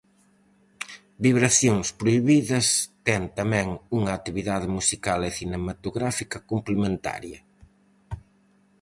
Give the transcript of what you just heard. Vibracións Prohibidas ten tamén unha actividade musical e cinematográfica complementaria.